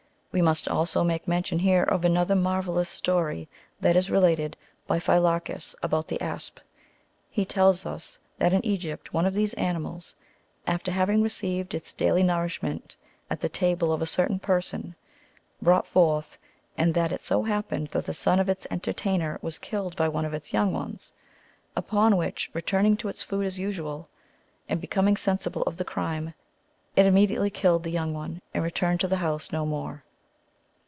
We must also make mention here of another marvellous story that is related by Phj'larchus about the asp. He tells us, that in EgA'pt one of these animals, after having received its daily nourishment at the table of a certain person, brought forth, and that it so happened that the son of its entertainer was killed by one of its young ones ; upon which, returning to its food as usual, and becoming sensible of the crime, it immediately killed the young one, and returned to the house no more.